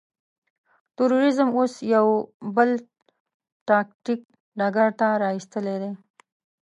تروريزم اوس يو بل تاکتيک ډګر ته را اېستلی دی.